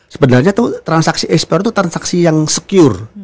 sebenarnya itu transaksi ekspor itu transaksi yang secure